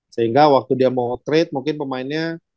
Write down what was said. sehingga waktu dia mau trade mungkin pemainnya